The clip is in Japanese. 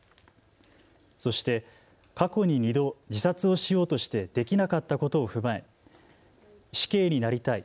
そして過去に２度、自殺をしようとしてできなかったことを踏まえ死刑になりたい。